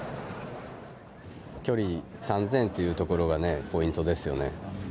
距離、３０００というところがねポイントですよね。